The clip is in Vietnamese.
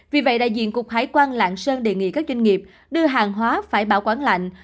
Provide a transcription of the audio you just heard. vì vậy đại diện cục hải quan lạng sơn đề nghị các doanh nghiệp đưa hàng hóa phải bảo quản lạnh